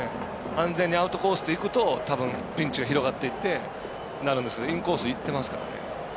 安全にアウトコースといくとたぶん、ピンチが広がってとなるんですけどインコースいってますからね。